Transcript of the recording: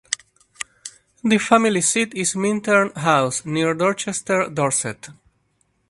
The family seat is Minterne House, near Dorchester, Dorset.